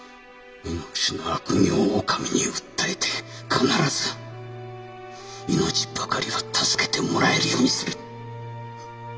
蓑吉の悪行をお上に訴えて必ず命ばかりは助けてもらえるようにする。